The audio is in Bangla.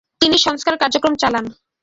তিনি সংস্কার কার্যক্রম চালান।